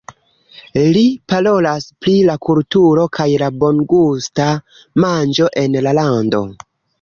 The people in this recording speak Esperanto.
Li parolas pri la kulturo kaj la bongusta manĝo en la lando.